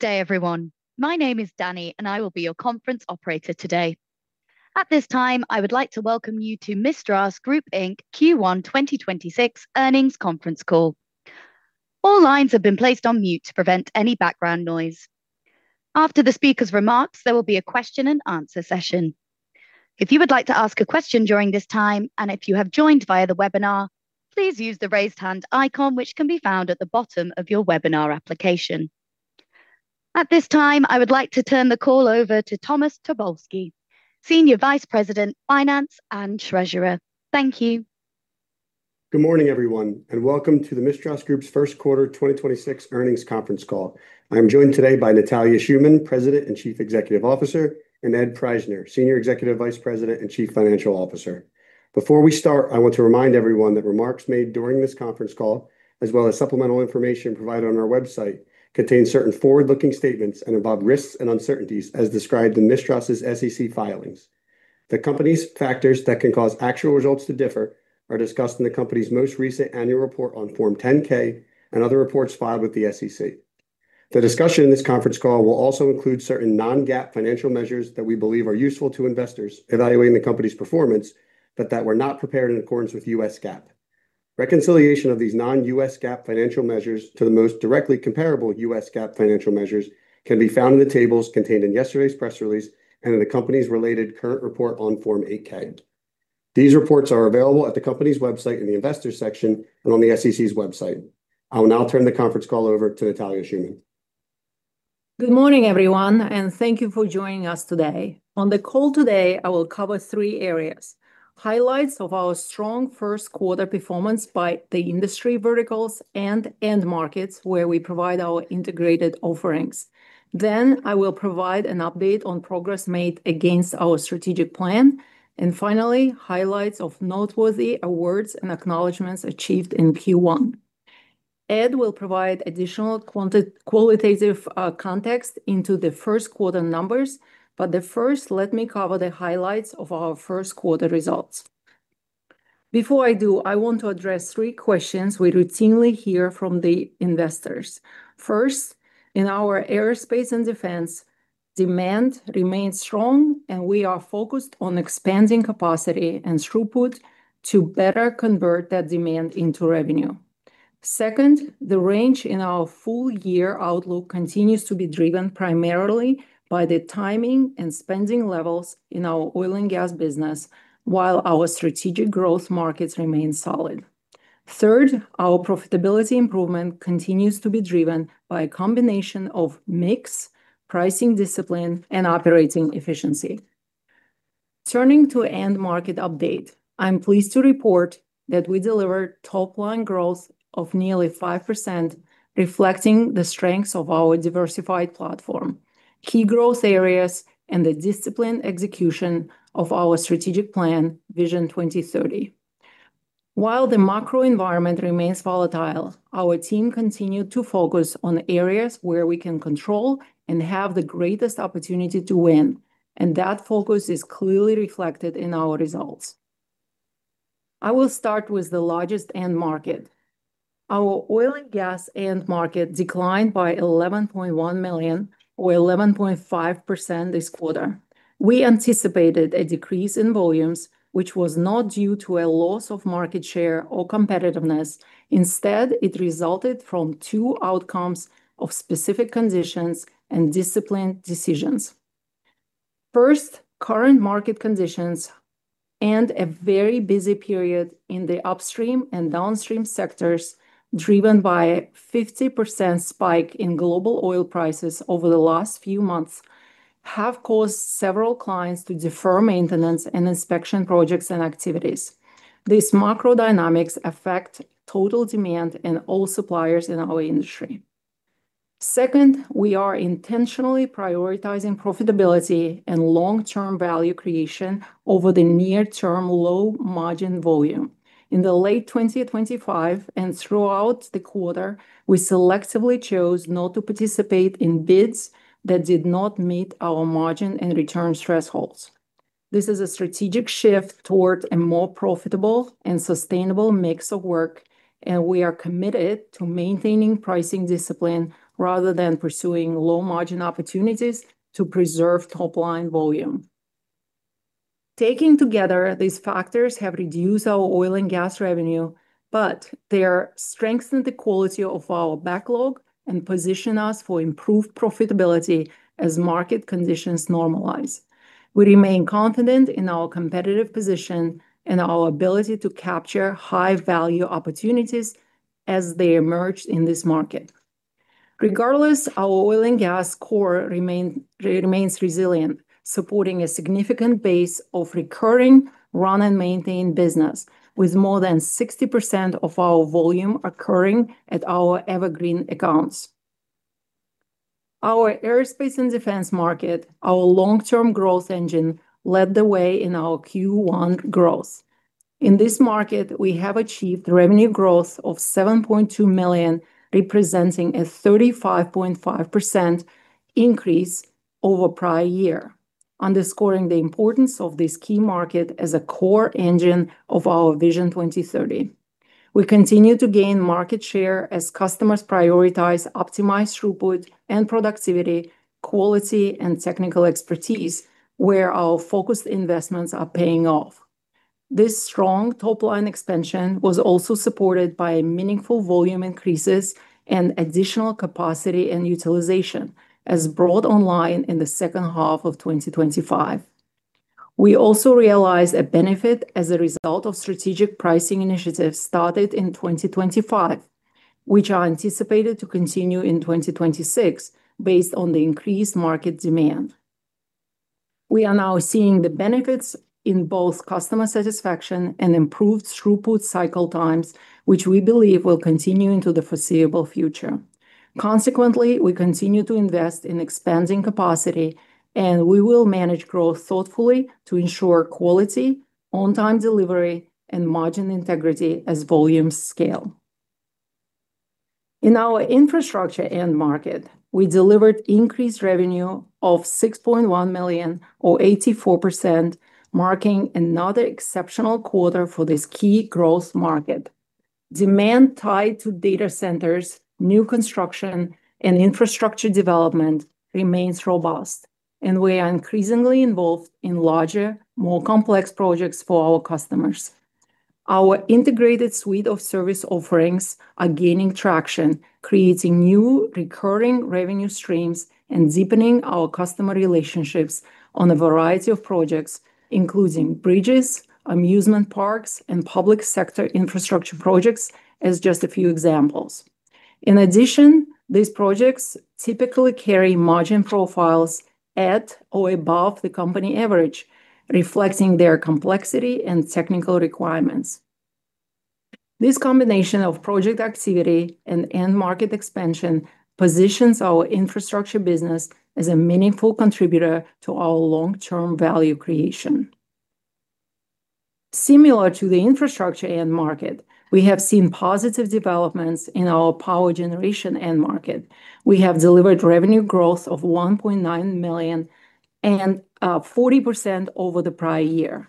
Good day, everyone. My name is Danny, and I will be your conference operator today. At this time, I would like to welcome you to Mistras Group, Inc.'s Q1 2026 earnings conference call. All lines have been placed on mute to prevent any background noise. After the speaker's remarks, there will be a question and answer session. If you would like to ask a question during this time, and if you have joined via the webinar, please use the raise hand icon, which can be found at the bottom of your webinar application. At this time, I would like to turn the call over to Thomas Tobolski, Senior Vice President of Finance and Treasurer. Thank you. Good morning, everyone, and welcome to the Mistras Group's Q1 2026 earnings conference call. I'm joined today by Natalia Shuman, President and Chief Executive Officer, and Ed Prajzner, Senior Executive Vice President and Chief Financial Officer. Before we start, I want to remind everyone that remarks made during this conference call, as well as supplemental information provided on our website, contain certain forward-looking statements and involve risks and uncertainties as described in Mistras' SEC filings. The company's factors that can cause actual results to differ are discussed in the company's most recent annual report on Form 10-K and other reports filed with the SEC. The discussion in this conference call will also include certain non-GAAP financial measures that we believe are useful to investors evaluating the company's performance, but that were not prepared in accordance with US GAAP. Reconciliation of these non-U.S. GAAP financial measures to the most directly comparable U.S. GAAP financial measures can be found in the tables contained in yesterday's press release and in the company's related current report on Form 8-K. These reports are available at the company's website in the investor section and on the SEC's website. I will now turn the conference call over to Natalia Shuman. Good morning, everyone, and thank you for joining us today. On the call today, I will cover three areas: Highlights of our strong Q1 performance by the industry verticals and end markets where we provide our integrated offerings, then I will provide an update on progress made against our strategy plan, and finally, highlights of noteworthy awards and acknowledgments achieved in Q1. Ed will provide additional qualitative context into the Q1 numbers, but first, let me cover the highlights of our Q1 results. Before I do, I want to address three questions we routinely hear from the investors. First, in our aerospace and defense, demand remains strong, and we are focused on expanding capacity and throughput to better convert that demand into revenue. Second, the range in our full-year outlook continues to be driven primarily by the timing and spending levels in our oil and gas business, while our strategic growth markets remain solid. Third, our profitability improvement continues to be driven by a combination of mix, pricing discipline, and operating efficiency. Turning to end market update, I'm pleased to report that we delivered top-line growth of nearly 5%, reflecting the strengths of our diversified platform, key growth areas, and the disciplined execution of our strategic plan, Vision 2030. While the macro environment remains volatile, our team continued to focus on areas where we can control and have the greatest opportunity to win, and that focus is clearly reflected in our results. I will start with the largest end market. Our oil and gas end market declined by $11.1 million or 11.5% this quarter. We anticipated a decrease in volumes, which was not due to a loss of market share or competitiveness. Instead, it resulted from two outcomes of specific conditions and disciplined decisions. First, current market conditions and a very busy period in the upstream and downstream sectors, driven by a 50% spike in global oil prices over the last few months, have caused several clients to defer maintenance and inspection projects and activities. These macro dynamics affect total demand in all suppliers in our industry. Second, we are intentionally prioritizing profitability and long-term value creation over the near-term low margin volume. In the late 2025 and throughout the quarter, we selectively chose not to participate in bids that did not meet our margin and return thresholds. This is a strategic shift toward a more profitable and sustainable mix of work, and we are committed to maintaining pricing discipline rather than pursuing low-margin opportunities to preserve top-line volume. Taking together, these factors have reduced our oil and gas revenue, but they strengthen the quality of our backlog and position us for improved profitability as market conditions normalize. We remain confident in our competitive position and our ability to capture high-value opportunities as they emerge in this market. Regardless, our oil and gas core remains resilient, supporting a significant base of recurring run-and-maintain business, with more than 60% of our volume occurring at our evergreen accounts. Our Aerospace and Defense market, our long-term growth engine, led the way in our Q1 growth. In this market, we have achieved revenue growth of $7.2 million, representing a 35.5% increase over prior year, underscoring the importance of this key market as a core engine of our Vision 2030. We continue to gain market share as customers prioritize optimized throughput and productivity, quality, and technical expertise, where our focused investments are paying off. This strong top-line expansion was also supported by meaningful volume increases and additional capacity and utilization as brought online in the H2 of 2025. We also realized a benefit as a result of strategic pricing initiatives started in 2025, which are anticipated to continue in 2026 based on the increased market demand. We are now seeing the benefits in both customer satisfaction and improved throughput cycle times, which we believe will continue into the foreseeable future. Consequently, we continue to invest in expanding capacity, and we will manage growth thoughtfully to ensure quality, on-time delivery, and margin integrity as volumes scale. In our infrastructure end market, we delivered increased revenue of $6.1 million or 84%, marking another exceptional quarter for this key growth market. Demand tied to data centers, new construction, and infrastructure development remains robust, and we are increasingly involved in larger, more complex projects for our customers. Our integrated suite of service offerings are gaining traction, creating new recurring revenue streams and deepening our customer relationships on a variety of projects, including bridges, amusement parks, and public sector infrastructure projects as just a few examples. In addition, these projects typically carry margin profiles at or above the company average, reflecting their complexity and technical requirements. This combination of project activity and end market expansion positions our infrastructure business as a meaningful contributor to our long-term value creation. Similar to the infrastructure end market, we have seen positive developments in our power generation end market. We have delivered revenue growth of $1.9 million and 40% over the prior year.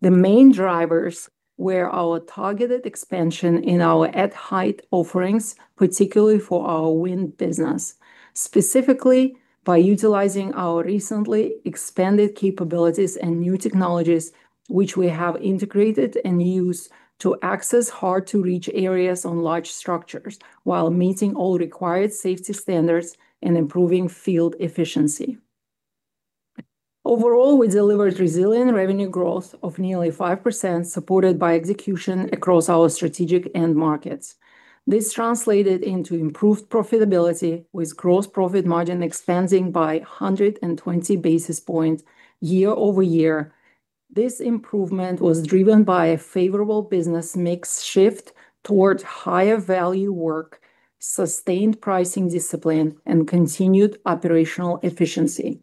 The main drivers were our targeted expansion in our at-height offerings, particularly for our wind business. Specifically, by utilizing our recently expanded capabilities and new technologies, which we have integrated and used to access hard-to-reach areas on large structures while meeting all required safety standards and improving field efficiency. Overall, we delivered resilient revenue growth of nearly 5%, supported by execution across our strategic end markets. This translated into improved profitability, with gross profit margin expanding by 120 basis points year-over-year. This improvement was driven by a favorable business mix shift towards higher value work, sustained pricing discipline, and continued operational efficiency.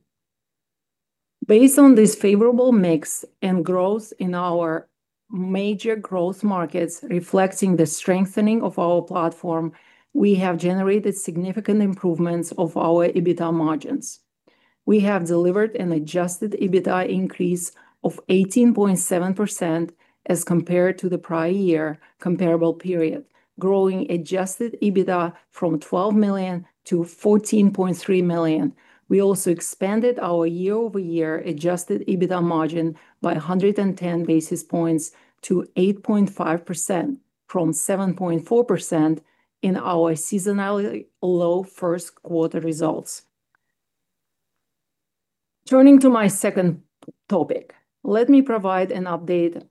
Based on this favorable mix and growth in our major growth markets reflecting the strengthening of our platform, we have generated significant improvements of our EBITDA margins. We have delivered an adjusted EBITDA increase of 18.7% as compared to the prior year comparable period, growing adjusted EBITDA from $12 million-$14.3 million. We also expanded our year-over-year adjusted EBITDA margin by 110 basis points to 8.5% from 7.4% in our seasonally low Q1 results. Turning to my second topic, let me provide an update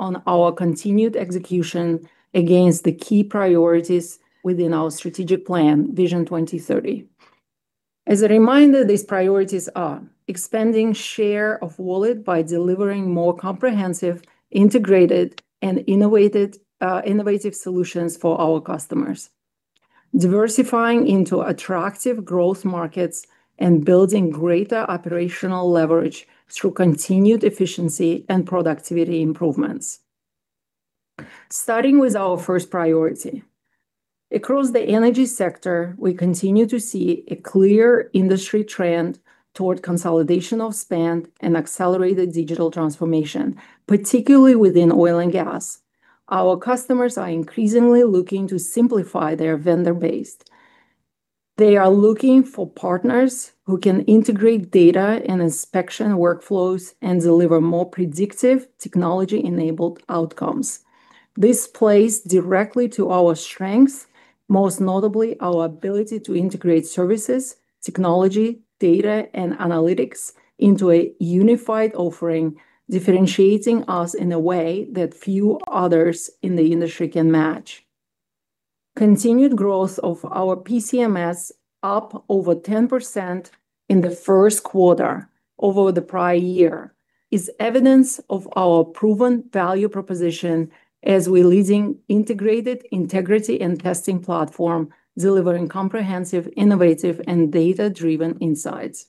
on our continued execution against the key priorities within our strategic plan, Vision 2030. As a reminder, these priorities are expanding share of wallet by delivering more comprehensive, integrated, and innovative solutions for our customers. Diversifying into attractive growth markets and building greater operational leverage through continued efficiency and productivity improvements. Starting with our first priority. Across the energy sector, we continue to see a clear industry trend toward consolidation of spend and accelerated digital transformation, particularly within oil and gas. Our customers are increasingly looking to simplify their vendor base. They are looking for partners who can integrate data and inspection workflows and deliver more predictive technology-enabled outcomes. This plays directly to our strengths, most notably our ability to integrate services, technology, data, and analytics into a unified offering, differentiating us in a way that few others in the industry can match. Continued growth of our PCMS up over 10% in the Q1 over the prior year is evidence of our proven value proposition as we're leading integrated integrity and testing platform, delivering comprehensive, innovative, and data-driven insights.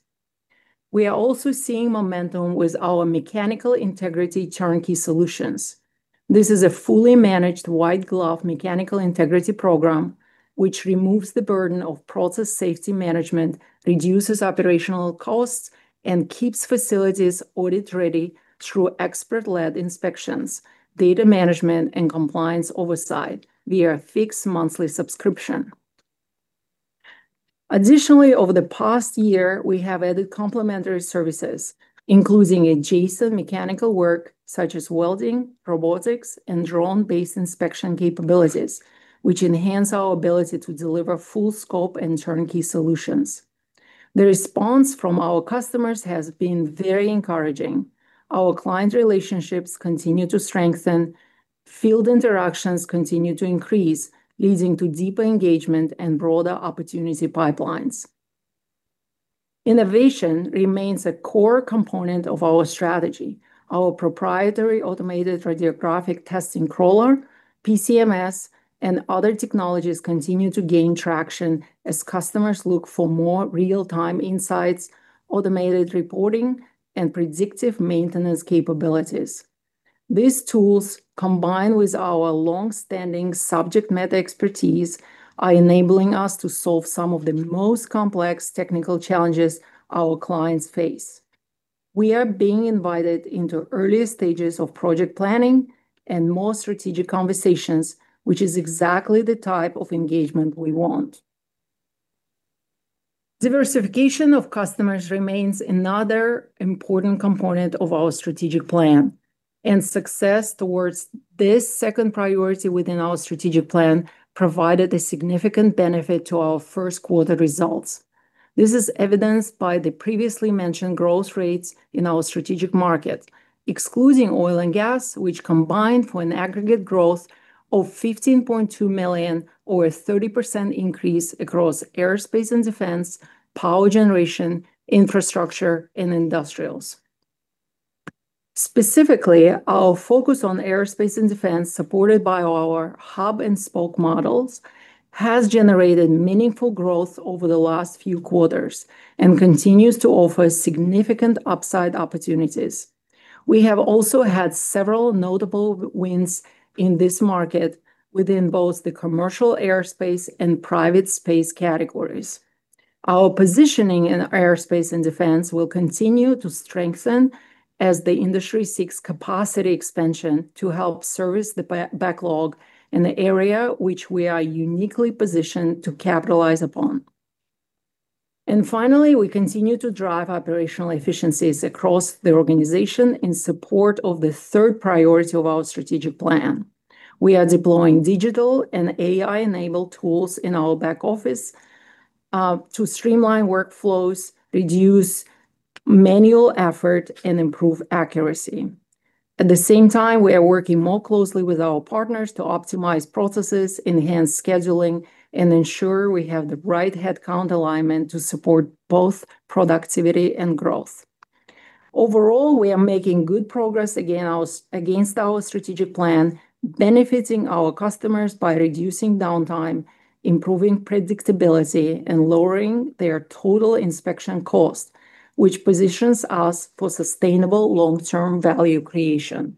We are also seeing momentum with our mechanical integrity turnkey solutions. This is a fully managed white-glove mechanical integrity program which removes the burden of process safety management, reduces operational costs, and keeps facilities audit-ready through expert-led inspections, data management, and compliance oversight via a fixed monthly subscription. Additionally, over the past year, we have added complementary services, including adjacent mechanical work, such as welding, robotics, and drone-based inspection capabilities, which enhance our ability to deliver full scope and turnkey solutions. The response from our customers has been very encouraging. Our client relationships continue to strengthen, field interactions continue to increase, leading to deeper engagement and broader opportunity pipelines. Innovation remains a core component of our strategy. Our proprietary Automated Radiographic Testing Crawler, PCMS, and other technologies continue to gain traction as customers look for more real-time insights, automated reporting, and predictive maintenance capabilities. These tools, combined with our long-standing subject matter expertise, are enabling us to solve some of the most complex technical challenges our clients face. We are being invited into early stages of project planning and more strategic conversations, which is exactly the type of engagement we want. Diversification of customers remains another important component of our strategic plan, and success towards this second priority within our strategic plan provided a significant benefit to our Q1 results. This is evidenced by the previously mentioned growth rates in our strategic market, excluding oil and gas, which combined for an aggregate growth of $15.2 million or a 30% increase across Aerospace & Defense, power generation, infrastructure, and industrials. Specifically, our focus on Aerospace & Defense, supported by our hub and spoke models, has generated meaningful growth over the last few quarters and continues to offer significant upside opportunities. We have also had several notable wins in this market within both the commercial aerospace and private space categories. Our positioning in Aerospace & Defense will continue to strengthen as the industry seeks capacity expansion to help service the backlog in the area, which we are uniquely positioned to capitalize upon. Finally, we continue to drive operational efficiencies across the organization in support of the third priority of our strategic plan. We are deploying digital and AI-enabled tools in our back office to streamline workflows, reduce manual effort, and improve accuracy. At the same time, we are working more closely with our partners to optimize processes, enhance scheduling, and ensure we have the right headcount alignment to support both productivity and growth. Overall, we are making good progress against our strategic plan, benefiting our customers by reducing downtime, improving predictability, and lowering their total inspection cost, which positions us for sustainable long-term value creation.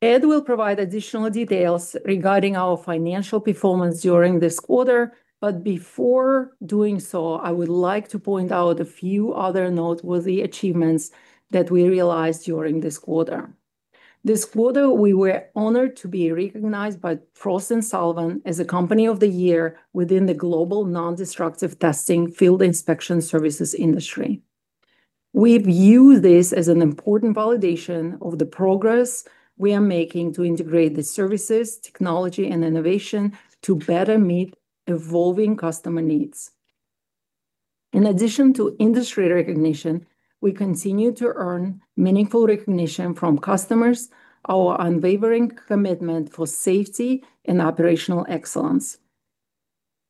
Ed will provide additional details regarding our financial performance during this quarter, but before doing so, I would like to point out a few other noteworthy achievements that we realized during this quarter. This quarter, we were honored to be recognized by Frost & Sullivan as a company of the year within the global non-destructive testing field inspection services industry. We view this as an important validation of the progress we are making to integrate the services, technology, and innovation to better meet evolving customer needs. In addition to industry recognition, we continue to earn meaningful recognition from customers, our unwavering commitment for safety and operational excellence.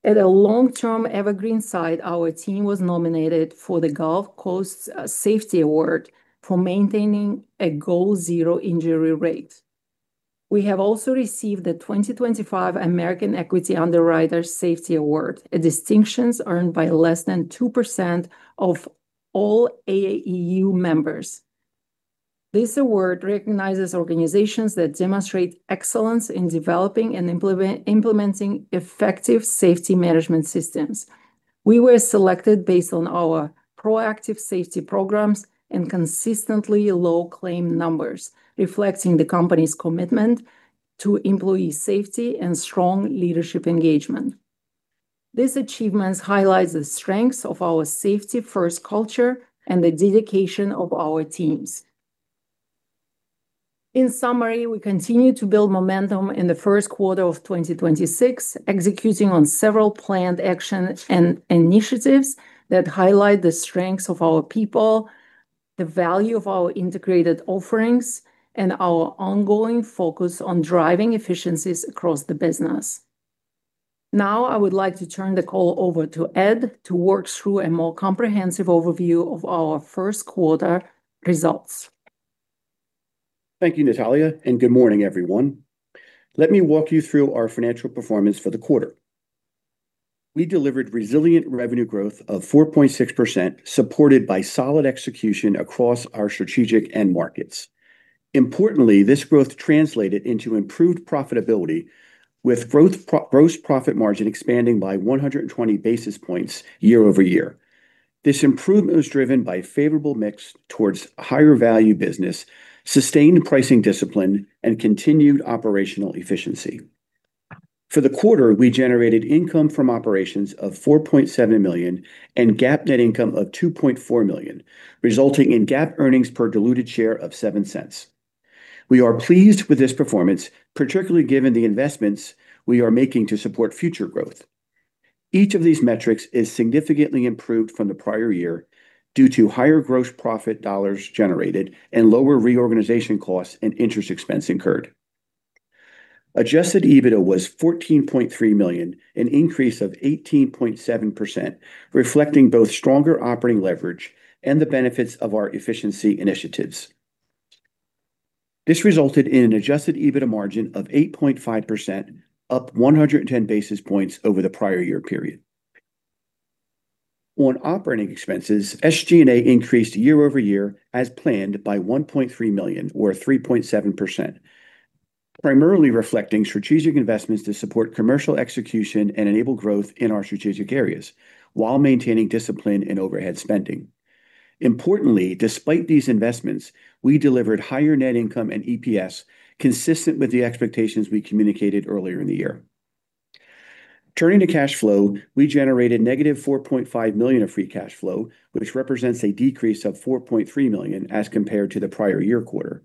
At a long-term evergreen site, our team was nominated for the Gulf Coast Safety Award for maintaining a goal zero injury rate. We have also received the 2025 American Equity Underwriters Safety Award, a distinctions earned by less than 2% of all AEU members. This award recognizes organizations that demonstrate excellence in developing and implementing effective safety management systems. We were selected based on our proactive safety programs and consistently low claim numbers, reflecting the company's commitment to employee safety and strong leadership engagement. These achievements highlights the strengths of our safety-first culture and the dedication of our teams. In summary, we continue to build momentum in the Q1 of 2026, executing on several planned action and initiatives that highlight the strengths of our people, the value of our integrated offerings, and our ongoing focus on driving efficiencies across the business. Now, I would like to turn the call over to Ed to walk through a more comprehensive overview of our Q1 results. Thank you, Natalia, and good morning, everyone. Let me walk you through our financial performance for the quarter. We delivered resilient revenue growth of 4.6%, supported by solid execution across our strategic end markets. Importantly, this growth translated into improved profitability with gross profit margin expanding by 120 basis points year-over-year. This improvement was driven by favorable mix towards higher value business, sustained pricing discipline, and continued operational efficiency. For the quarter, we generated income from operations of $4.7 million and GAAP net income of $2.4 million, resulting in GAAP earnings per diluted share of $0.07. We are pleased with this performance, particularly given the investments we are making to support future growth. Each of these metrics is significantly improved from the prior year due to higher gross profit dollars generated and lower reorganization costs and interest expense incurred. Adjusted EBITDA was $14.3 million, an increase of 18.7%, reflecting both stronger operating leverage and the benefits of our efficiency initiatives. This resulted in an adjusted EBITDA margin of 8.5%, up 110 basis points over the prior year period. On operating expenses, SG&A increased year-over-year as planned by $1.3 million or 3.7%, primarily reflecting strategic investments to support commercial execution and enable growth in our strategic areas while maintaining discipline in overhead spending. Importantly, despite these investments, we delivered higher net income and EPS consistent with the expectations we communicated earlier in the year. Turning to cash flow, we generated -$4.5 million of free cash flow, which represents a decrease of $4.3 million as compared to the prior year quarter.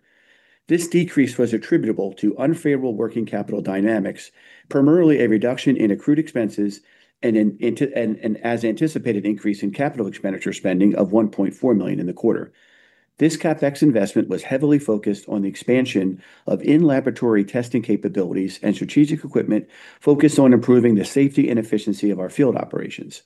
This decrease was attributable to unfavorable working capital dynamics, primarily a reduction in accrued expenses and as anticipated, increase in capital expenditure spending of $1.4 million in the quarter. This CapEx investment was heavily focused on the expansion of in-laboratory testing capabilities and strategic equipment focused on improving the safety and efficiency of our field operations.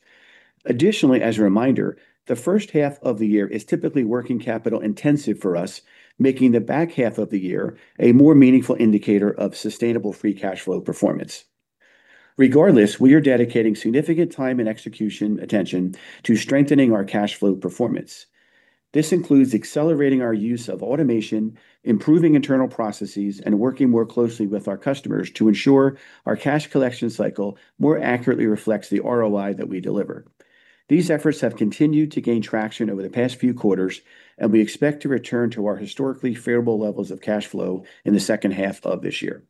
Additionally, as a reminder, the H1 of the year is typically working capital-intensive for us, making the back half of the year a more meaningful indicator of sustainable free cash flow performance. Regardless, we are dedicating significant time and execution attention to strengthening our cash flow performance. This includes accelerating our use of automation, improving internal processes, and working more closely with our customers to ensure our cash collection cycle more accurately reflects the ROI that we deliver. These efforts have continued to gain traction over the past few quarters, and we expect to return to our historically favorable levels of cash flow in the H2 of this year.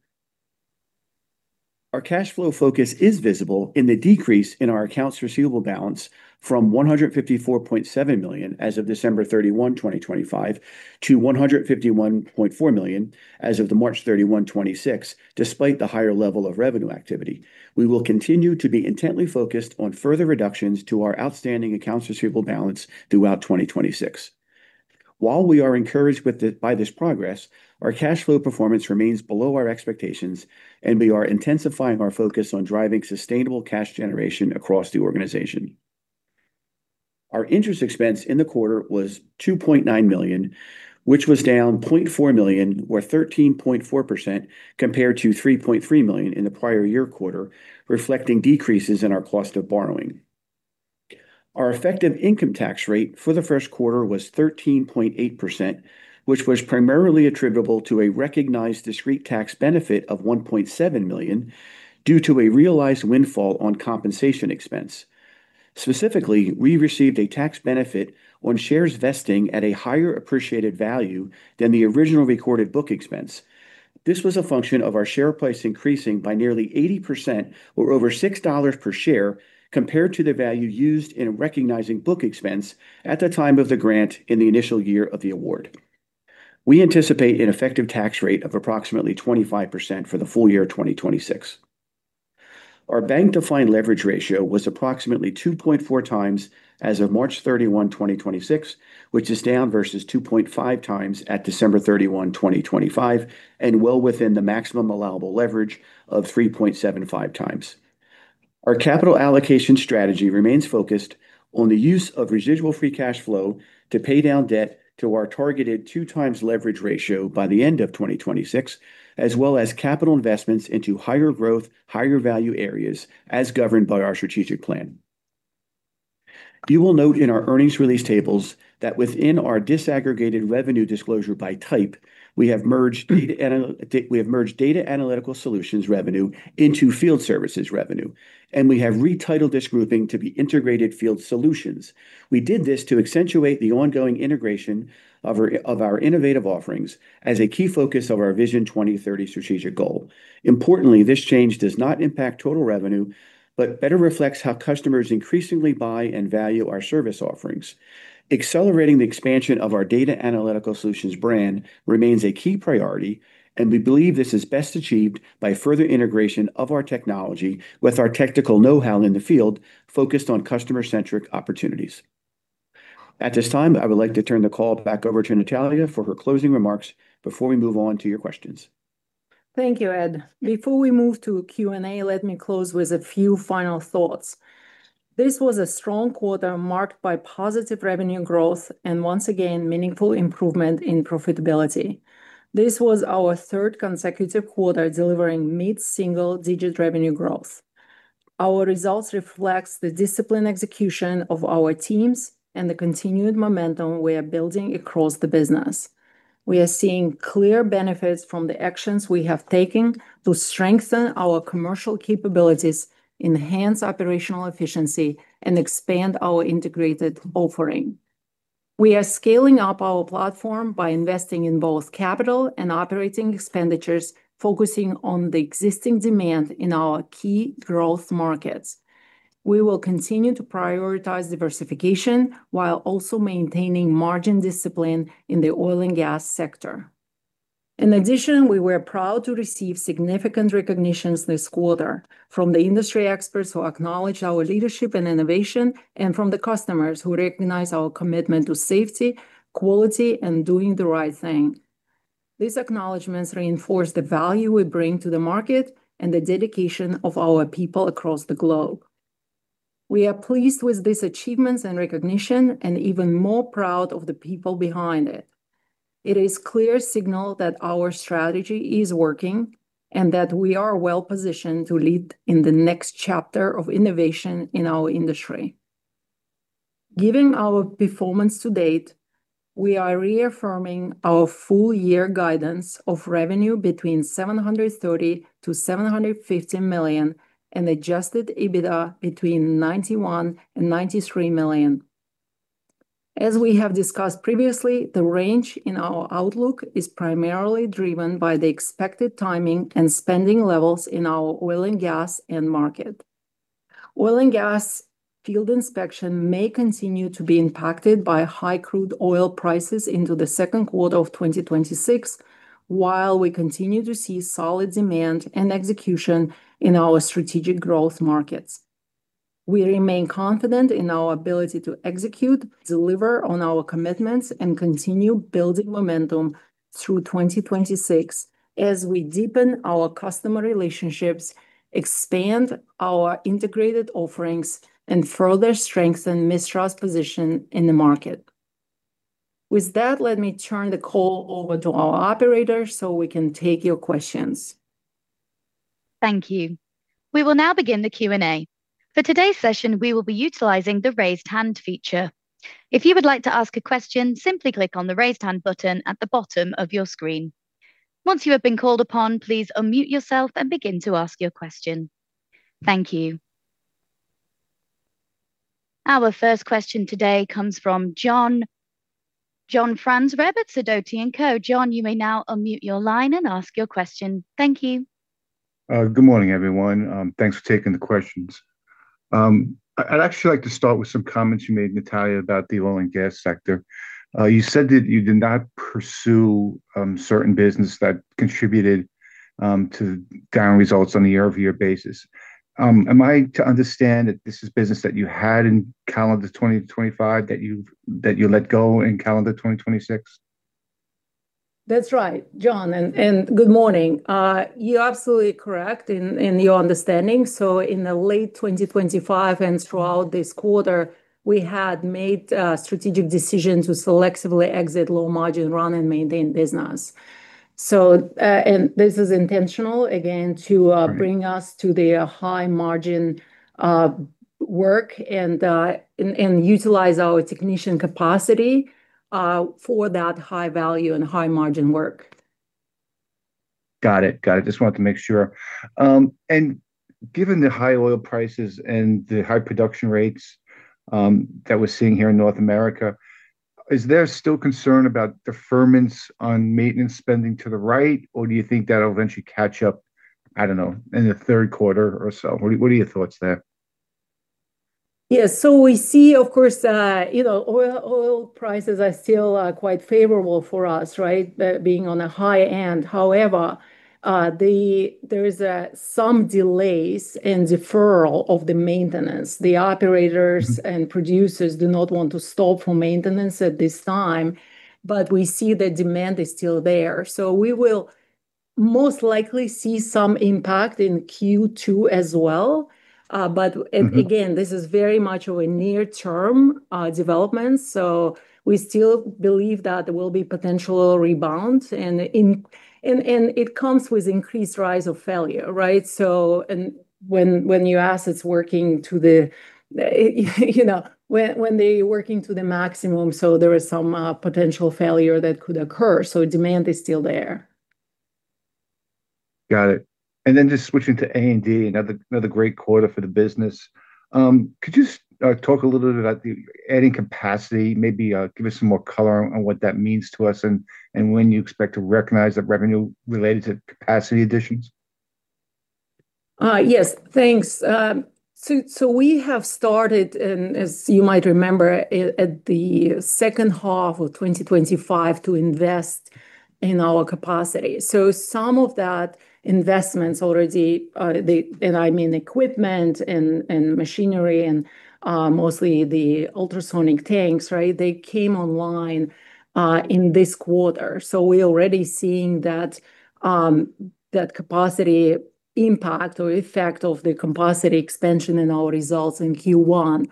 Our cash flow focus is visible in the decrease in our accounts receivable balance from $154.7 million as of December 31, 2025 to $151.4 million as of March 31, 2026, despite the higher level of revenue activity. We will continue to be intently focused on further reductions to our outstanding accounts receivable balance throughout 2026. While we are encouraged by this progress, our cash flow performance remains below our expectations, and we are intensifying our focus on driving sustainable cash generation across the organization. Our interest expense in the quarter was $2.9 million, which was down $0.4 million or 13.4% compared to $3.3 million in the prior year quarter, reflecting decreases in our cost of borrowing. Our effective income tax rate for the Q1 was 13.8%, which was primarily attributable to a recognized discrete tax benefit of $1.7 million due to a realized windfall on compensation expense. Specifically, we received a tax benefit on shares vesting at a higher appreciated value than the original recorded book expense. This was a function of our share price increasing by nearly 80% or over $6 per share compared to the value used in recognizing book expense at the time of the grant in the initial year of the award. We anticipate an effective tax rate of approximately 25% for the full year 2026. Our bank-defined leverage ratio was approximately 2.4x as of March 31, 2026, which is down versus 2.5x at December 31, 2025, and well within the maximum allowable leverage of 3.75x. Our capital allocation strategy remains focused on the use of residual free cash flow to pay down debt to our targeted 2x leverage ratio by the end of 2026, as well as capital investments into higher growth, higher value areas as governed by our strategic plan. You will note in our earnings release tables that within our disaggregated revenue disclosure by type, we have merged Data Analytical Solutions revenue into Field Services revenue, and we have retitled this grouping to be Integrated Field Solutions. We did this to accentuate the ongoing integration of our innovative offerings as a key focus of our Vision 2030 strategic goal. Importantly, this change does not impact total revenue but better reflects how customers increasingly buy and value our service offerings. Accelerating the expansion of our Data Analytical Solutions brand remains a key priority, and we believe this is best achieved by further integration of our technology with our technical know-how in the field focused on customer-centric opportunities. At this time, I would like to turn the call back over to Natalia for her closing remarks before we move on to your questions. Thank you, Ed. Before we move to Q&A, let me close with a few final thoughts. This was a strong quarter marked by positive revenue growth and, once again, meaningful improvement in profitability. This was our third consecutive quarter delivering mid-single digit revenue growth. Our results reflects the disciplined execution of our teams and the continued momentum we are building across the business. We are seeing clear benefits from the actions we have taken to strengthen our commercial capabilities, enhance operational efficiency, and expand our integrated offering. We are scaling up our platform by investing in both capital and operating expenditures, focusing on the existing demand in our key growth markets. We will continue to prioritize diversification, while also maintaining margin discipline in the oil and gas sector. In addition, we were proud to receive significant recognitions this quarter from the industry experts who acknowledge our leadership and innovation, and from the customers who recognize our commitment to safety, quality, and doing the right thing. These acknowledgments reinforce the value we bring to the market and the dedication of our people across the globe. We are pleased with these achievements and recognition, and even more proud of the people behind it. It is clear signal that our strategy is working, and that we are well-positioned to lead in the next chapter of innovation in our industry. Given our performance to date, we are reaffirming our full-year guidance of revenue between $730 million-$750 million, and adjusted EBITDA between $91 million and $93 million. As we have discussed previously, the range in our outlook is primarily driven by the expected timing and spending levels in our oil and gas end market. Oil and gas field inspection may continue to be impacted by high crude oil prices into the Q2 of 2026, while we continue to see solid demand and execution in our strategic growth markets. We remain confident in our ability to execute, deliver on our commitments, and continue building momentum through 2026 as we deepen our customer relationships, expand our integrated offerings, and further strengthen Mistras' position in the market. With that, let me turn the call over to our operator, so we can take your questions. Thank you. We will now begin the Q&A. For today's session, we will be utilizing the Raise Hand feature. If you would like to ask a question, simply click on the Raise Hand button at the bottom of your screen. Once you have been called upon, please unmute yourself and begin to ask your question. Thank you. Our first question today comes from John. John Franzreb, Sidoti & Co. John, you may now unmute your line and ask your question. Thank you. Good morning, everyone. Thanks for taking the questions. I'd actually like to start with some comments you made, Natalia, about the oil and gas sector. You said that you did not pursue certain business that contributed to down results on the year-over-year basis. Am I to understand that this is business that you had in calendar 2025 that you let go in calendar 2026? That's right, John, and good morning. You're absolutely correct in your understanding. So in the late 2025 and throughout this quarter, we had made a strategic decision to selectively exit low margin run and maintain business, and this is intentional, again, to bring us to the high-margin work and utilize our technician capacity for that high value and high margin work. Got it. Just wanted to make sure. Given the high oil prices and the high production rates that we're seeing here in North America, is there still concern about deferments on maintenance spending to the right? Or do you think that'll eventually catch up, I don't know, in the Q3 or so? What are your thoughts there? Yeah, so we see, of course, you know, oil prices are still quite favorable for us, right, being on a high end. However, there is some delays in deferral of the maintenance. The operators and producers do not want to stop for maintenance at this time, but we see the demand is still there, so we will most likely see some impact in Q2 as well. This is very much of a near term development so we still believe that there will be potential rebound and it comes with increased rise of failure, right. When you ask it's working to the, you know, when they working to the maximum, there is some potential failure that could occur. Demand is still there. Got it. Just switching to A&D, another great quarter for the business. Could you talk a little bit about the adding capacity, maybe give us some more color on what that means to us and when you expect to recognize that revenue related to capacity additions? Yes. Thanks. We have started and as you might remember, at the H2 of 2025 to invest in our capacity. Some of that investments already, the and I mean equipment and machinery and mostly the ultrasonic tanks, right? They came online in this quarter. We already seeing that capacity impact or effect of the capacity expansion in our results in Q1.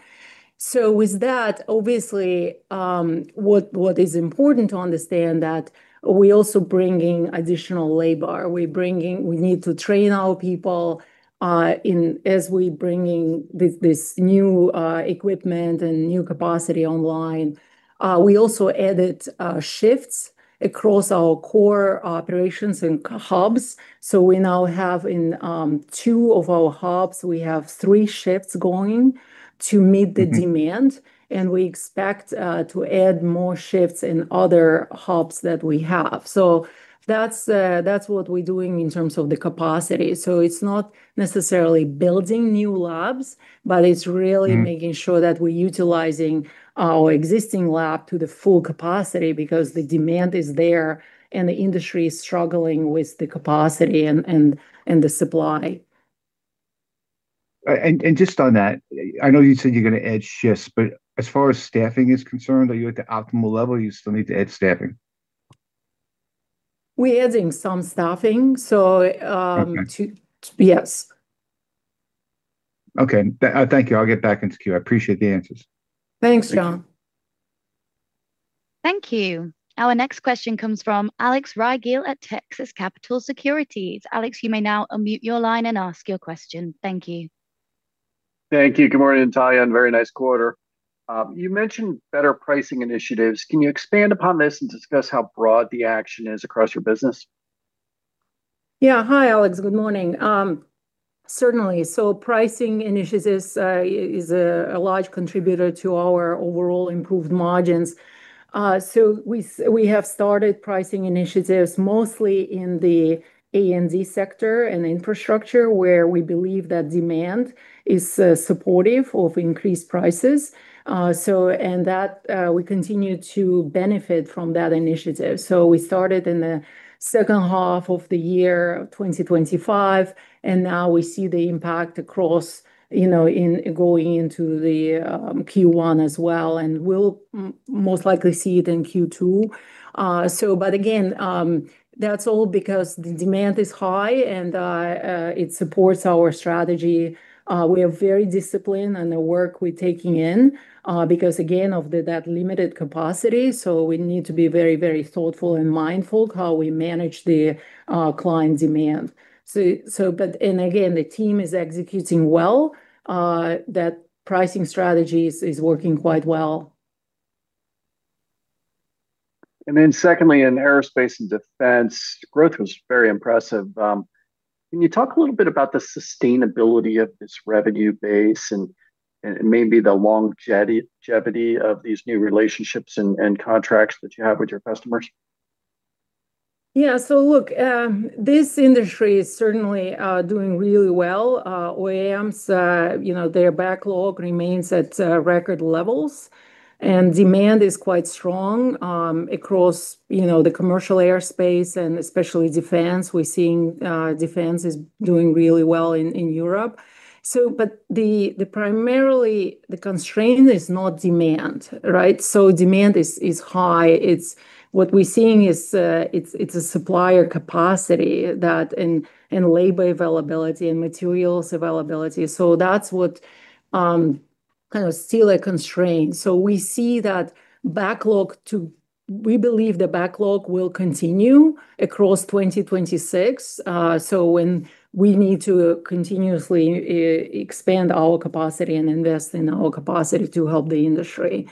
With that, obviously, what is important to understand that we also bringing additional labor. We need to train our people in as we bringing this new equipment and new capacity online. We also added shifts across our core operations and hubs, we now have in two of our hubs we have three shifts going to meet the demand. We expect to add more shifts in other hubs that we have. That's what we're doing in terms of the capacity. It's not necessarily building new labs, but it's really making sure that we're utilizing our existing lab to the full capacity because the demand is there, and the industry is struggling with the capacity and the supply. Just on that, I know you said you're gonna add shifts, but as far as staffing is concerned, are you at the optimal level or you still need to add staffing? We're adding some staffing. Okay. Yes. Okay. Thank you. I'll get back into queue. I appreciate the answers. Thanks, John. Thank you. Our next question comes from Alex Rygiel at Texas Capital Securities. Alex, you may now unmute your line and ask your question. Thank you. Thank you. Good morning, Natalia. Very nice quarter. You mentioned better pricing initiatives. Can you expand upon this and discuss how broad the action is across your business? Yeah. Hi, Alex. Good morning. Certainly. Pricing initiatives is a large contributor to our overall improved margins. We have started pricing initiatives mostly in the A&D sector and infrastructure where we believe that demand is supportive of increased prices. And that we continue to benefit from that initiative. We started in the H2 of the year of 2025, and now we see the impact across, you know, in going into the Q1 as well, and we'll most likely see it in Q2. But again, that's all because the demand is high and it supports our strategy. We are very disciplined in the work we're taking in, because again of the, that limited capacity, so we need to be very, very thoughtful and mindful how we manage the client demand. The team is executing well. That pricing strategy is working quite well. Secondly, in aerospace and defense, growth was very impressive. Can you talk a little bit about the sustainability of this revenue base and maybe the longevity of these new relationships and contracts that you have with your customers? Look, this industry is certainly doing really well. OEMs, you know, their backlog remains at record levels, and demand is quite strong, across, you know, the commercial aerospace and especially defense. We're seeing, Defense is doing really well in Europe. Primarily the constraint is not demand, right? Demand is high. What we're seeing is a supplier capacity that, and labor availability and materials availability. That's what kind of still a constraint. We see that we believe the backlog will continue across 2026. When we need to continuously expand our capacity and invest in our capacity to help the industry.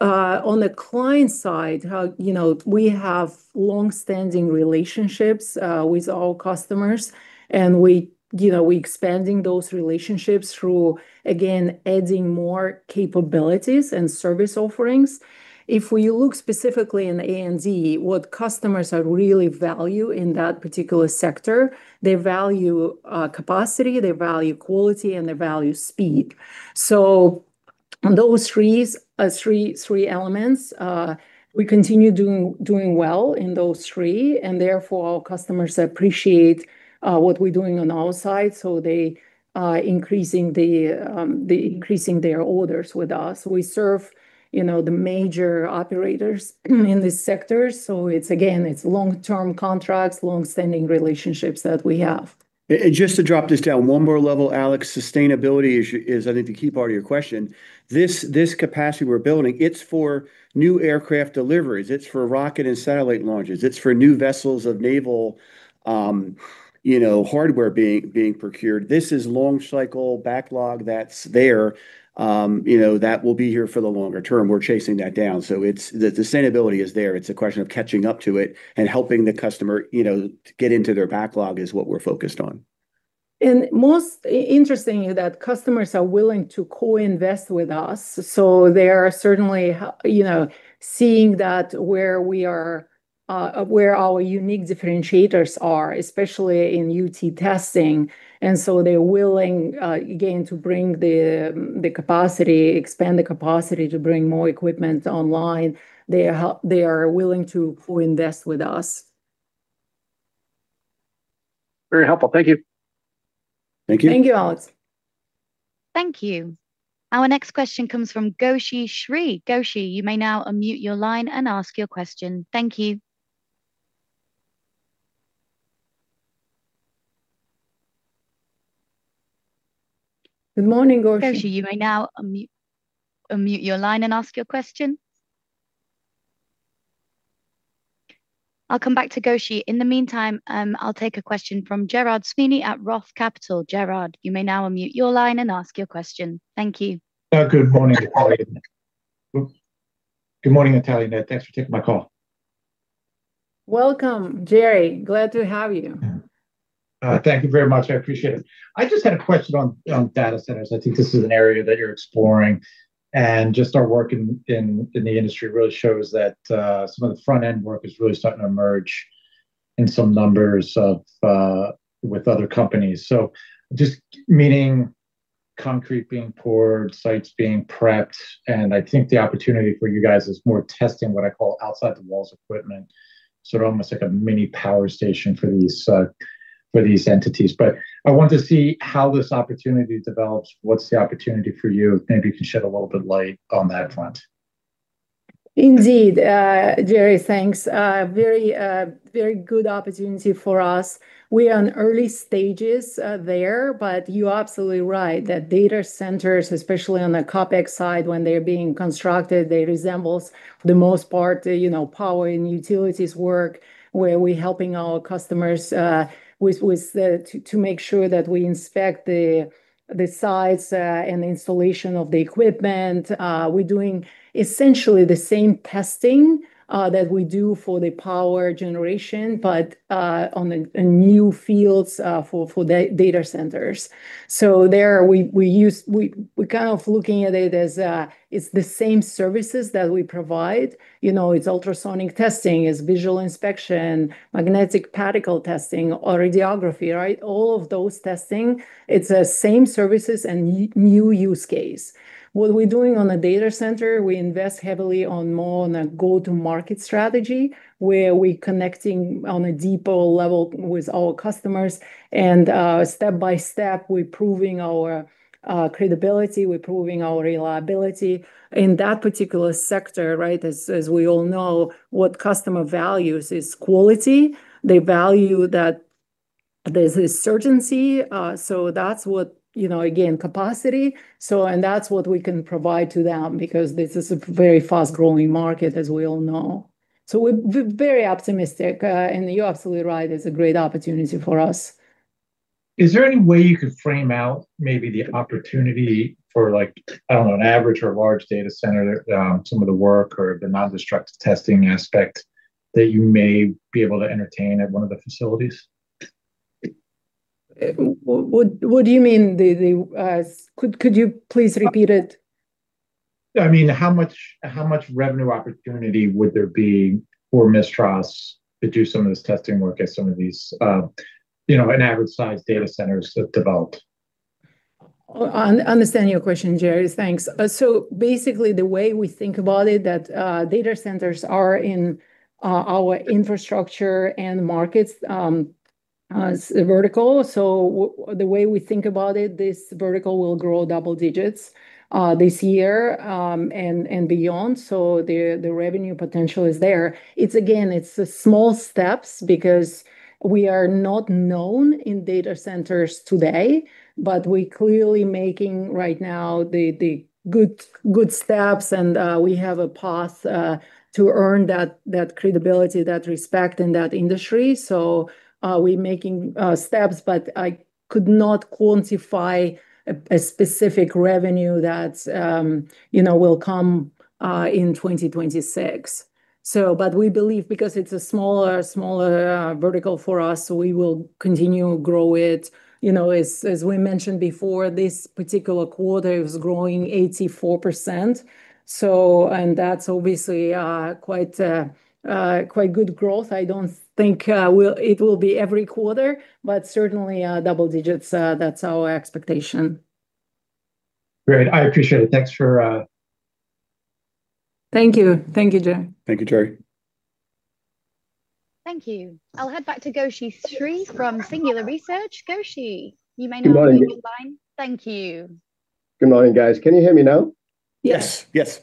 On the client side, how, you know, we have longstanding relationships with our customers, and we, you know, we expanding those relationships through, again, adding more capabilities and service offerings. If we look specifically in A&D, what customers really value in that particular sector, they value capacity, they value quality, and they value speed. On those threes, three elements, we continue doing well in those three, and therefore our customers appreciate what we're doing on our side, so they increasing the increasing their orders with us. We serve, you know, the major operators in this sector, so it's again, it's long-term contracts, longstanding relationships that we have. Just to drop this down one more level, Alex, sustainability is I think the key part of your question. This capacity we're building, it's for new aircraft deliveries. It's for rocket and satellite launches. It's for new vessels of naval, you know, hardware being procured. This is long cycle backlog that's there, you know, that will be here for the longer term. We're chasing that down. The sustainability is there. It's a question of catching up to it and helping the customer, you know, to get into their backlog is what we're focused on. Most interesting that customers are willing to co-invest with us. They are certainly you know, seeing that where we are, where our unique differentiators are, especially in UT testing. They're willing, again, to bring the capacity, expand the capacity to bring more equipment online. They are willing to co-invest with us. Very helpful. Thank you. Thank you. Thank you, Alex Rygiel. Thank you. Our next question comes from Gowshihan Sriharan. Goshi, you may now unmute your line and ask your question. Thank you. Good morning, Goshi. Gowshihan Sriharan, you may now unmute your line and ask your question. I'll come back to Gowshihan Sriharan. In the meantime, I'll take a question from Gerard Sweeney at Roth Capital. Gerard, you may now unmute your line and ask your question. Thank you. Oops. Good morning, Natalia. Thanks for taking my call. Welcome, Gerry. Glad to have you. Thank you very much. I appreciate it. I just had a question on data centers. I think this is an area that you're exploring, and just our work in the industry really shows that some of the front-end work is really starting to emerge in some numbers of with other companies. Just meaning concrete being poured, sites being prepped, and I think the opportunity for you guys is more testing what I call outside the walls equipment, sort of almost like a mini power station for these for these entities. I want to see how this opportunity develops. What's the opportunity for you? Maybe you can shed a little bit light on that front. Indeed. Gerry, thanks. Very, very good opportunity for us. We are in early stages there, but you're absolutely right that data centers, especially on the CapEx side, when they're being constructed, they resembles for the most part, you know, power and utilities work, where we're helping our customers to make sure that we inspect the sites and the installation of the equipment. We're doing essentially the same testing that we do for the power generation, but on the, in new fields, for data centers. There we're kind of looking at it as it's the same services that we provide, you know. It's ultrasonic testing, it's visual inspection, magnetic particle testing, or radiography, right? All of those testing, it's the same services and new use case. What we're doing on a data center, we invest heavily on more on a go-to-market strategy, where we're connecting on a deeper level with our customers and step by step, we're proving our credibility, we're proving our reliability. In that particular sector, right, as we all know, what customer values is quality. They value that there's this urgency, so that's what, you know, again, capacity. That's what we can provide to them because this is a very fast-growing market, as we all know. We're very optimistic, and you're absolutely right, it's a great opportunity for us. Is there any way you could frame out maybe the opportunity for like, I don't know, an average or large data center, some of the work or the non-destructive testing aspect that you may be able to entertain at one of the facilities? Could you please repeat it? I mean, how much revenue opportunity would there be for Mistras to do some of this testing work at some of these, you know, an average size data centers that develop? Understanding your question, Gerry. Thanks. The way we think about it that data centers are in our infrastructure and markets as a vertical. This vertical will grow double-digits this year and beyond. The revenue potential is there. It's again, it's the small steps because we are not known in data centers today, but we're clearly making right now the good steps and we have a path to earn that credibility, that respect in that industry. Are we making steps? I could not quantify a specific revenue that, you know, will come in 2026. We believe because it's a smaller vertical for us, we will continue to grow it. You know, as we mentioned before, this particular quarter is growing 84%. That's obviously quite good growth. I don't think it will be every quarter, but certainly, double digits, that's our expectation. Great. I appreciate it. Thanks for. Thank you. Thank you, Gerry. Thank you, Gerry. Thank you. I'll head back to Gowshihan Sriharan from Singular Research. Goshi, you may now unmute your line. Thank you. Good morning, guys. Can you hear me now? Yes. Yes.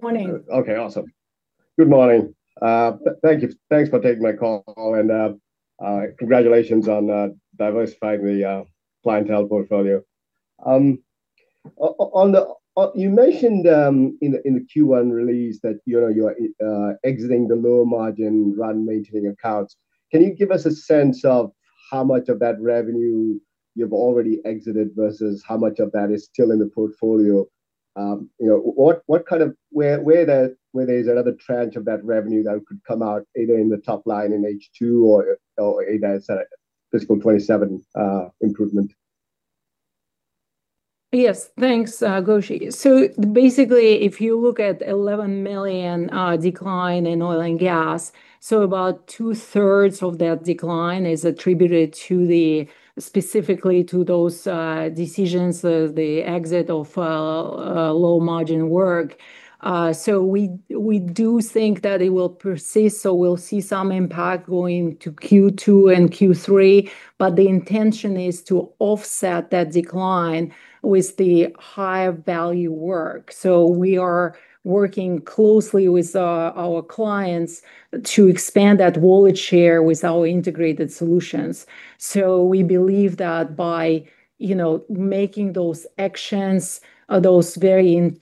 Morning. Okay, awesome. Good morning. Thank you. Thanks for taking my call and congratulations on diversifying the clientele portfolio. On the, you mentioned, in the Q1 release that, you know, you are exiting the lower margin run maintaining accounts. Can you give us a sense of how much of that revenue you've already exited versus how much of that is still in the portfolio? You know, what kind of where there's another tranche of that revenue that could come out, either in the top line in H2 or either as a fiscal 2027 improvement? Yes. Thanks, Gowshihan. Basically, if you look at $11 million decline in oil and gas, about 2/3 of that decline is attributed to the, specifically to those decisions, the exit of low-margin work. We do think that it will persist, so we'll see some impact going to Q2 and Q3, but the intention is to offset that decline with the higher value work. We are working closely with our clients to expand that wallet share with our Integrated Field Solutions. We believe that by, you know, making those actions, those very in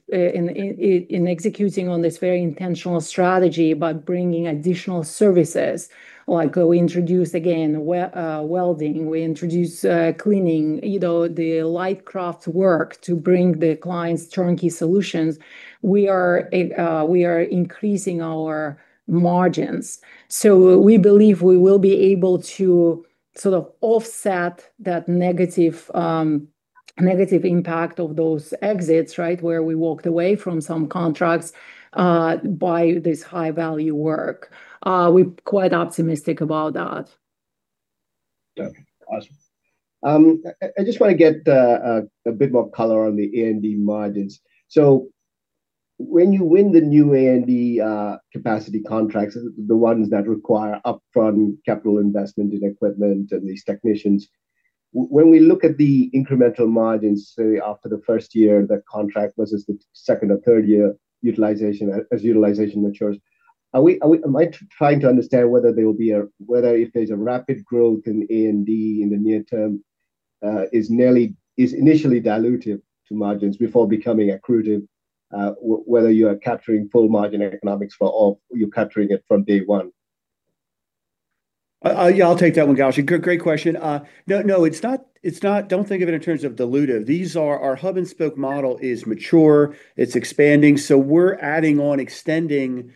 executing on this very intentional strategy by bringing additional services, like we introduce again welding, we introduce cleaning, you know, the light craft work to bring the clients turnkey solutions, we are increasing our margins. We believe we will be able to sort of offset that negative negative impact of those exits, right, where we walked away from some contracts, by this high-value work. We're quite optimistic about that. Okay. Awesome. I just want to get a bit more color on the A&D margins. When you win the new A&D capacity contracts, the ones that require upfront capital investment in equipment and these technicians, when we look at the incremental margins, say, after the first year of the contract versus the second or third year utilization, as utilization matures, am I trying to understand whether if there's a rapid growth in A&D in the near term, is initially dilutive to margins before becoming accretive, whether you are capturing full margin economics for all, or you're capturing it from day one? I, yeah, I'll take that one, Gowshihan. Good, great question. No, no, it's not. Don't think of it in terms of dilutive. Our hub-and-spoke model is mature, it's expanding, we're adding on extending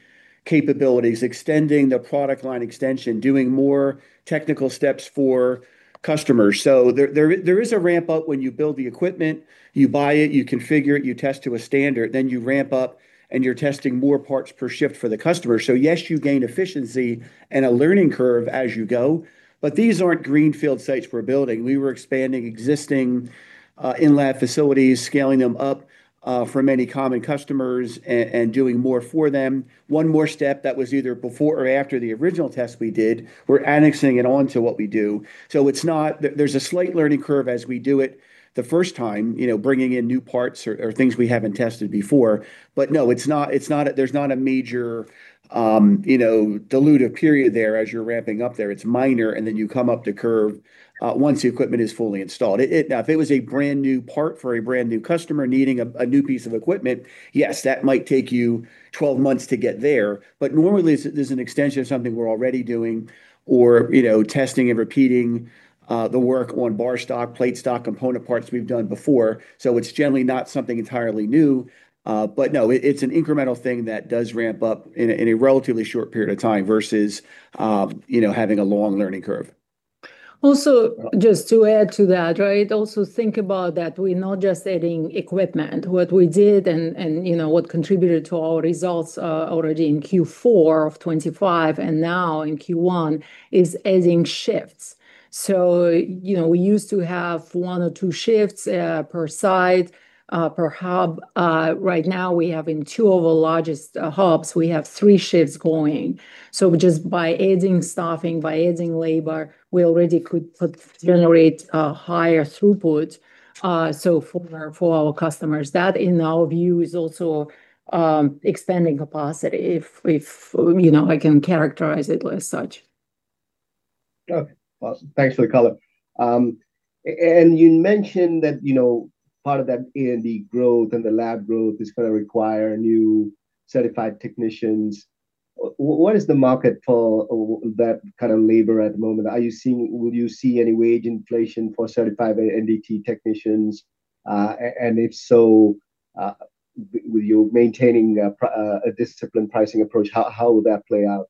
capabilities, extending the product line extension, doing more technical steps for customers. There is a ramp-up when you build the equipment, you buy it, you configure it, you test to a standard, you ramp up and you're testing more parts per shift for the customer. Yes, you gain efficiency and a learning curve as you go, these aren't greenfield sites we're building. We were expanding existing in-lab facilities, scaling them up for many common customers and doing more for them. One more step that was either before or after the original test we did, we're annexing it on to what we do. There's a slight learning curve as we do it the first time, you know, bringing in new parts or things we haven't tested before. No, it's not, there's not a major, you know, dilutive period there as you're ramping up there. It's minor, you come up the curve once the equipment is fully installed. Now, if it was a brand-new part for a brand-new customer needing a new piece of equipment, yes, that might take you 12 months to get there. Normally, it's an extension of something we're already doing or, you know, testing and repeating the work on bar stock, plate stock, component parts we've done before. It's generally not something entirely new. No, it's an incremental thing that does ramp up in a relatively short period of time versus, you know, having a long learning curve. Just to add to that, right? Think about that we're not just adding equipment. What we did and, you know, what contributed to our results already in Q4 of 2025 and now in Q1 is adding shifts. You know, we used to have one or two shifts per site, per hub. Right now we have in two of our largest hubs, we have three shifts going. Just by adding staffing, by adding labor, we already could generate a higher throughput so for our customers. That, in our view, is also expanding capacity if, you know, I can characterize it as such. Okay. Awesome. Thanks for the color. You mentioned that, you know, part of that A&D growth and the lab growth is going to require new certified technicians. What is the market for that kind of labor at the moment? Will you see any wage inflation for certified NDT technicians? If so, will you maintaining a disciplined pricing approach? How will that play out?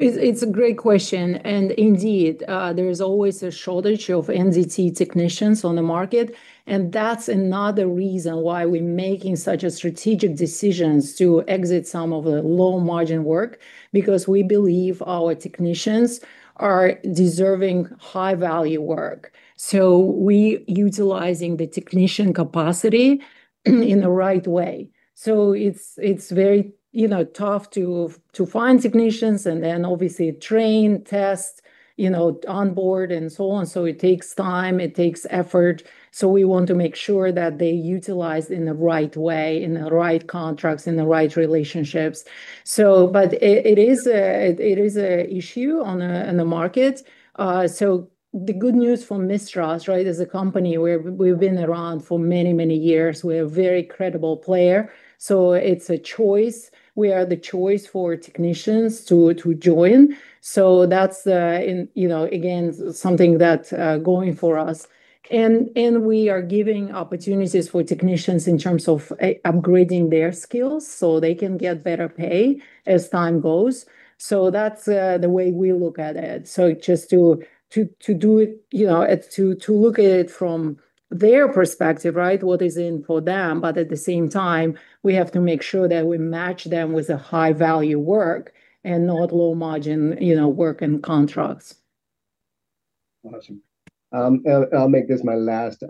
It's a great question. Indeed, there is always a shortage of NDT technicians on the market, and that's another reason why we're making such a strategic decisions to exit some of the low margin work, because we believe our technicians are deserving high value work. We utilizing the technician capacity in the right way. It's very, you know, tough to find technicians and then obviously train, test, you know, onboard and so on. It takes time, it takes effort. We want to make sure that they utilize in the right way, in the right contracts, in the right relationships. But it is a issue on the market. The good news for Mistras, right, as a company, we've been around for many years. We're a very credible player. It's a choice. We are the choice for technicians to join. That's, in, you know, again, something that's going for us. We are giving opportunities for technicians in terms of upgrading their skills so they can get better pay as time goes. That's the way we look at it. Just to do it, you know, it's to look at it from their perspective, right? What is in it for them? At the same time, we have to make sure that we match them with a high value work and not low margin, you know, work and contracts. Awesome. I'll make this my last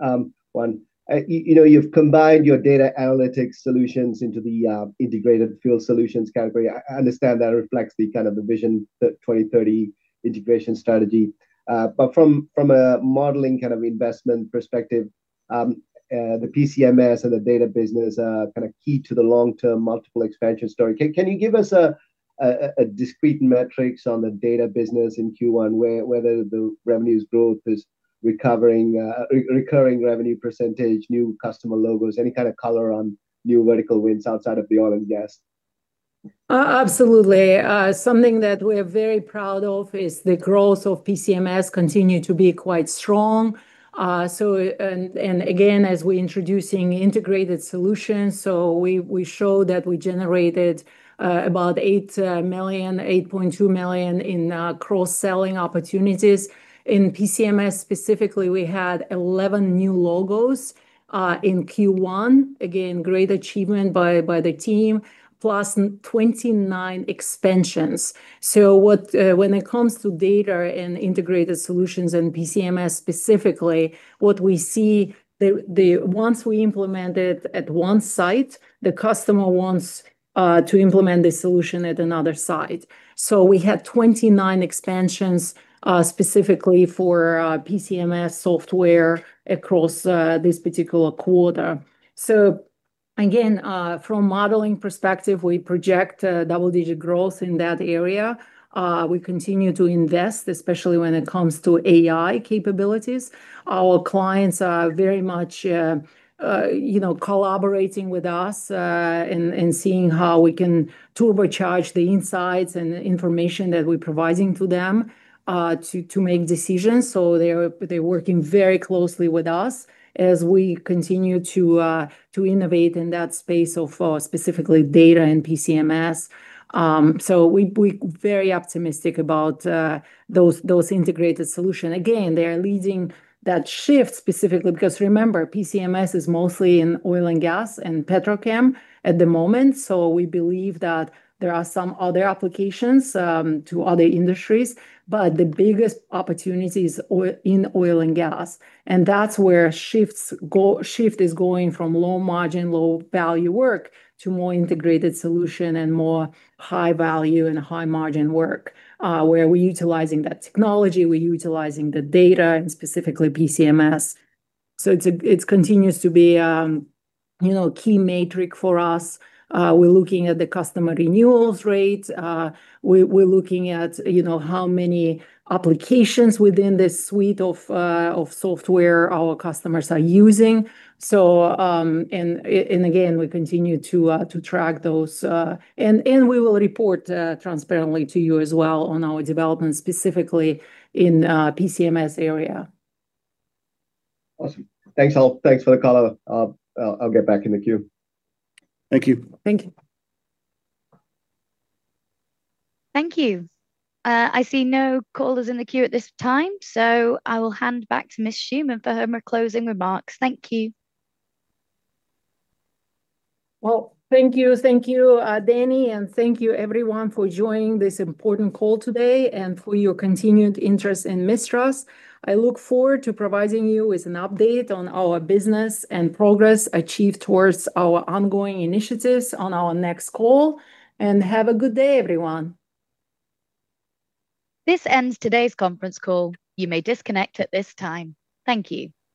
one. You know, you've combined your Data Analytical Solutions into the Integrated Field Solutions category. I understand that reflects the kind of the Vision 2030 integration strategy. From a modeling kind of investment perspective, the PCMS and the data business are kind of key to the long-term multiple expansion story. Can you give us a discrete metrics on the data business in Q1, whether the revenues growth is recovering, recurring revenue percentage, new customer logos, any kind of color on new vertical wins outside of the oil and gas? Absolutely. Something that we're very proud of is the growth of PCMS continue to be quite strong. And again, as we introducing integrated solutions, we show that we generated about $8 million, $8.2 million in cross-selling opportunities. In PCMS specifically, we had 11 new logos in Q1. Again, great achievement by the team. Plus 29 expansions. What, when it comes to data and integrated solutions in PCMS specifically, what we see Once we implement it at one site, the customer wants to implement the solution at another site. We had 29 expansions specifically for PCMS software across this particular quarter. Again, from modeling perspective, we project double-digit growth in that area. We continue to invest, especially when it comes to AI capabilities. Our clients are very much, you know, collaborating with us and seeing how we can turbocharge the insights and the information that we're providing to them to make decisions. They're working very closely with us as we continue to innovate in that space of specifically data and PCMS. We very optimistic about those integrated solutions. Again, they are leading that shift specifically because remember, PCMS is mostly in oil and gas and petrochem at the moment, so we believe that there are some other applications to other industries. The biggest opportunity is in oil and gas, that's where shifts go, shift is going from low margin, low value work to more integrated solution and more high value and high margin work, where we're utilizing that technology, we're utilizing the data, and specifically PCMS. It's continues to be, you know, key metric for us. We're looking at the customer renewals rate. We're looking at, you know, how many applications within this suite of software our customers are using. Again, we continue to track those, and we will report transparently to you as well on our development, specifically in PCMS area. Awesome. Thanks, all. Thanks for the color. I'll get back in the queue. Thank you. Thank you. Thank you. I see no callers in the queue at this time, so I will hand back to Ms. Shuman for her closing remarks. Thank you. Well, thank you, thank you, Danny, and thank you everyone for joining this important call today and for your continued interest in Mistras. I look forward to providing you with an update on our business and progress achieved towards our ongoing initiatives on our next call. Have a good day, everyone. This ends today's conference call. You may disconnect at this time. Thank you.